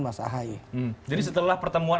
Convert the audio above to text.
mas ahaye jadi setelah pertemuan